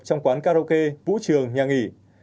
trong quán karaoke vũ trường nhà nghỉ